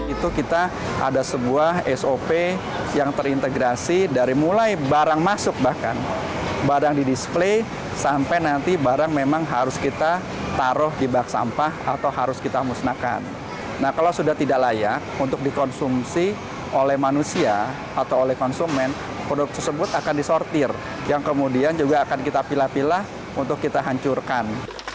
itu kita ada sebuah sop yang terintegrasi dari mulai barang masuk bahkan barang di display sampai nanti barang memang harus kita taruh di bag sampah atau harus kita musnahkan nah kalau sudah tidak layak untuk dikonsumsi oleh manusia atau oleh konsumen produk tersebut akan disortir yang kemudian juga akan kita pilah pilah untuk kita hancurkan